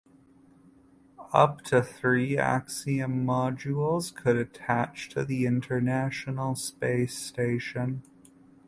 Up to three Axiom modules could attach to the International Space Station.